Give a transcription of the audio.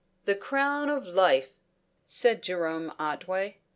"The crown of life!" said Jerome Otway.